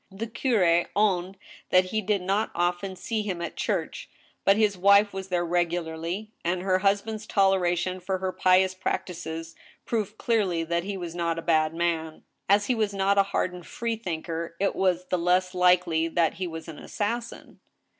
The curi owned that he did not often see him at church, but his wife was there regularly, and her husband's toleration for her pious prac tices proved cleariy that he was not a bad man. As he was not a hardened freethinker, it was the less likely that he was an assassin.